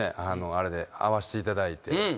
あれで会わしていただいて。